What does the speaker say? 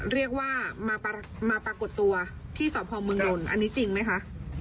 เรียกว่ามามาปรากฏตัวที่สอบภอมเมืองนลอันนี้จริงไหมค่ะ